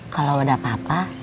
kalau ada apa apa